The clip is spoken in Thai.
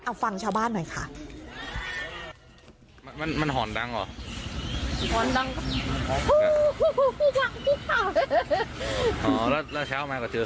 เอาฟังชาวบ้านหน่อยค่ะ